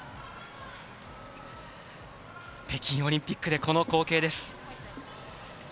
北京オリンピックでこの光景です。